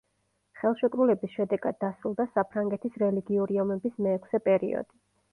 ხელშეკრულების შედეგად დასრულდა საფრანგეთის რელიგიური ომების მეექვსე პერიოდი.